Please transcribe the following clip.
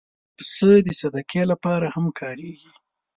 پسه د صدقې لپاره هم کارېږي.